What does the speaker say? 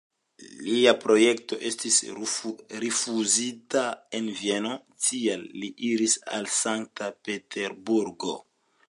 Lia projekto estis rifuzita en Vieno, tial li iris al Sankt-Peterburgo.